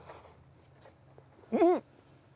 うん！